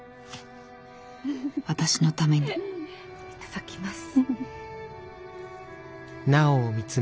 私のためにいただきます。